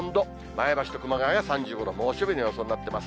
前橋と熊谷は３５度、猛暑日の予想になってます。